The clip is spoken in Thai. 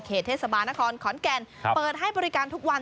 เทศบาลนครขอนแก่นเปิดให้บริการทุกวัน